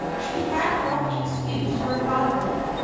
She had no excuse for dawdling.